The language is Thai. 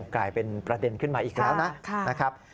กลายเป็นประเด็นขึ้นมาอีกแล้วนะครับ